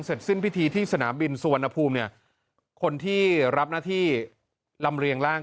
เสร็จสิ้นพิธีที่สนามบินสุวรรณภูมิเนี่ยคนที่รับหน้าที่ลำเรียงร่าง